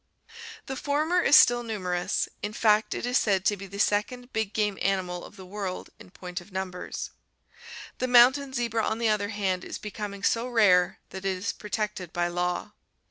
The former is still nu merous, in fact it is said to be the second big game animal of the HORSES 623 world in point of numbers. The mountain zebra, on the other hand, is becoming so rare that it is protected by law.